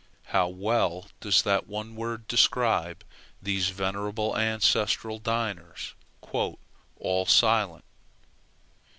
How well does that one word describe those venerable ancestral dinners "All silent!"